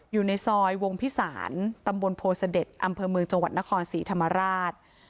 อยู่ในซอยวงพิสารตำบลโพเสด็จอำเภอเมืองจังหวัดนครศรีธรรมราช